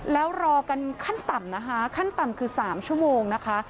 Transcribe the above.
แล้วรอกันขั้นต่ำนะคะขั้นต่ำคือ๓ชั่วโมงนะคะ